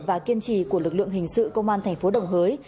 và kiên trì của lực lượng hình sự công an thành phố đồng hới